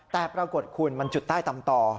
แต่ปรากฏคุณมันจุดใต้ตำต่อ